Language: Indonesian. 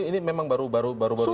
ini memang baru baru ini sih